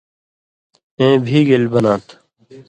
اېں بھی گېل بناں تھہ: